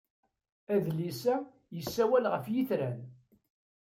Adlis-a yessawal ɣef yitran.